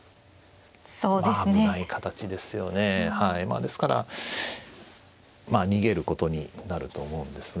ですから逃げることになると思うんですが。